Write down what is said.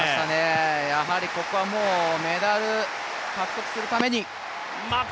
やはりここはメダル獲得するために。